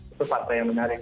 itu partnya yang menarik